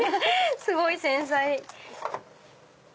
すごい繊細。